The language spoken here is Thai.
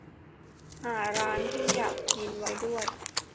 หาร้านที่อยากกินไว้ด้วย